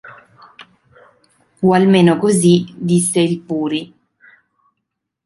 O almeno così disse il Puri.